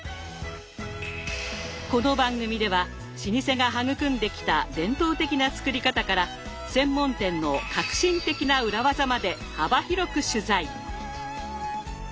この番組では老舗が育んできた伝統的な作り方から専門店の革新的な裏技まで幅広く取材。